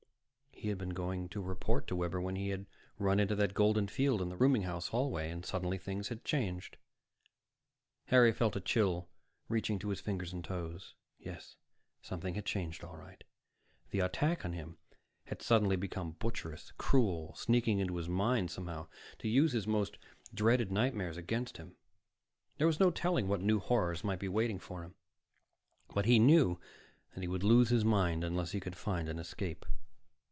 He had been going to report to Webber when he had run into that golden field in the rooming house hallway. And suddenly things had changed. Harry felt a chill reaching to his fingers and toes. Yes, something had changed, all right. The attack on him had suddenly become butcherous, cruel, sneaking into his mind somehow to use his most dreaded nightmares against him. There was no telling what new horrors might be waiting for him. But he knew that he would lose his mind unless he could find an escape.